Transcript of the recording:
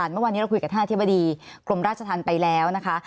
เมื่อวานนี้เราคุยกับท่านอธิบดีกรมราชธรรมไปแล้วนะคะ